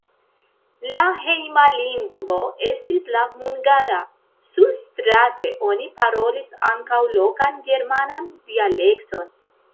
La hejma lingvo estis la hungara, surstrate oni parolis ankaŭ lokan germanan dialekton.